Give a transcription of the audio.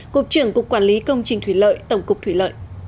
cục trưởng cục quản lý công trình thủy lợi tổng cục thủy lợi